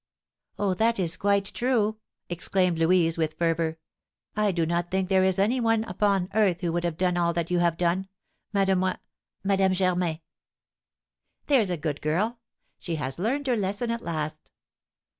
'" "Oh, that is quite true," exclaimed Louise, with fervour. "I do not think there is any one upon earth who would have done all that you have done, Mademoi Madame Germain!" "There's a good girl, she has learned her lesson at last!